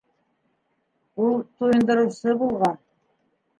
Ул туйындырыусы булған.